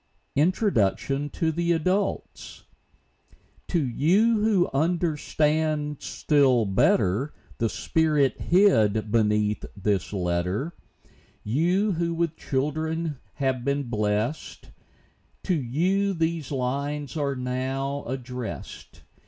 INTRODUCTION TO THE ADULTS. To you who understand still better The spirit hid beneath the letter, — You, who with children have been blessed, To you these lines are now addressed.